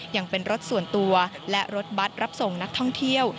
ยังเป็นรถส่วนตัวและรถบัตรรับส่งนักท่องเที่ยว